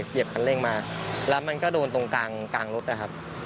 คันเร่งมาแล้วมันก็โดนตรงกลางรถนะครับ